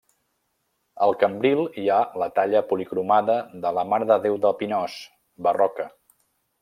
Al cambril hi ha la talla policromada de la Mare de Déu de Pinós, barroca.